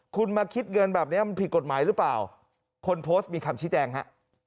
คุณมาคิดเงินแบบนี้มันผิดกฎหมายหรือเปล่าคนโพสต์มีคำชี้แจงฮะ